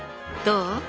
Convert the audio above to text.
どう？